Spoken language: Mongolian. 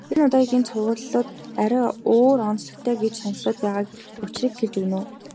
Энэ удаагийн цувралууд арай өөр онцлогтой гэж сонстоод байгаагийн учрыг хэлж өгнө үү.